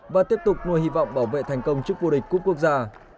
và tiếp tục nuôi hy vọng bảo vệ thành công trước vô địch quốc gia